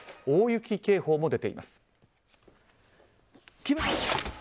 大雪警報も出ています。